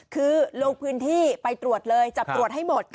คือลงพื้นที่ไปตรวจเลยจับตรวจให้หมด